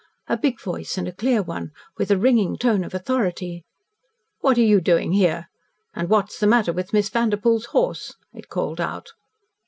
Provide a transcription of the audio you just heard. A big voice and a clear one, with a ringing tone of authority. "What are you doing here? And what is the matter with Miss Vanderpoel's horse?" it called out.